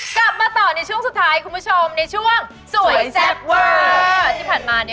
กลับมาต่อในช่วงสุดท้ายคุณผู้ชมในช่วงสวยแซ่บเวิร์ด